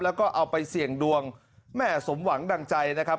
แล้วก็เอาไปเสี่ยงดวงแม่สมหวังดังใจนะครับ